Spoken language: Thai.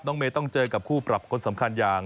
เมย์ต้องเจอกับคู่ปรับคนสำคัญอย่าง